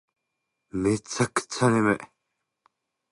めちゃくちゃ眠い